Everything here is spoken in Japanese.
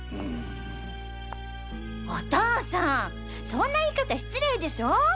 お父さんそんな言い方失礼でしょ。